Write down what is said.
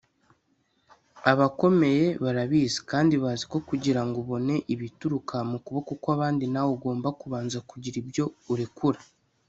Abakomeye barabizi kandi baziko kugirango ubone ibituruka mu kuboko kw’abandi nawe ugomba kubanza kugira ibyo urekura